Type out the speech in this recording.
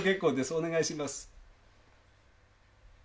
お願いします。